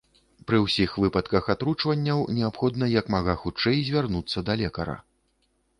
Пры ўсіх выпадках атручванняў неабходна як мага хутчэй звярнуцца да лекара.